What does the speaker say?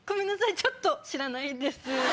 ちょっと知らないです。